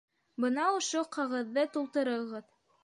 Бына ошо ҡағыҙҙы тултырығыҙ.